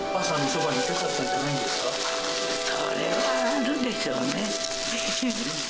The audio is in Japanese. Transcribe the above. それはあるでしょうね。